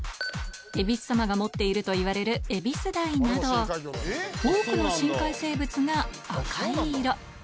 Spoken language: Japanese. えびす様が持っているといわれるエビスダイなど、多くの深海生物が赤い色。